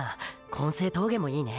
金精峠もいいね。